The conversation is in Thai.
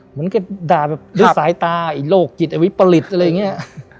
เหมือนกับด่าแบบด้วยสายตาไอ้โรคจิตไอวิปริตอะไรอย่างนี้